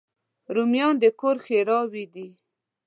رومیان د کور ښېرازي ده